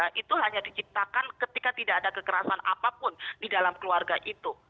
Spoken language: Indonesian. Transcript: karena itu hanya diciptakan ketika tidak ada kekerasan apapun di dalam keluarga itu